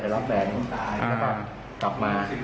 แล้วก็กลับมา